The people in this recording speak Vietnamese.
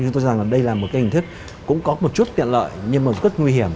chúng tôi rằng đây là một hình thức cũng có một chút tiện lợi nhưng rất nguy hiểm